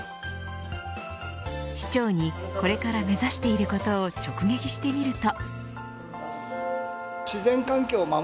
市長にこれから目指していることを直撃してみると。